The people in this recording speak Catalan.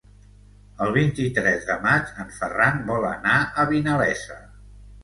El vint-i-tres de maig en Ferran vol anar a Vinalesa.